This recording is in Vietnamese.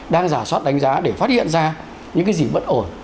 đang giả soát đánh giá để phát hiện ra những cái gì bất ổn